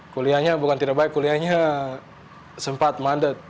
kuliahnya bukan tidak baik kuliahnya sempat mandet